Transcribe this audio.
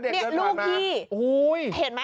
แล้วเด็กเดินให้ก่อนนะ